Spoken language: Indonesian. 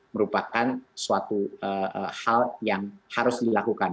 merupakan suatu hal yang harus dilakukan